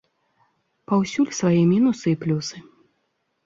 Паўсюль свае мінусы і плюсы.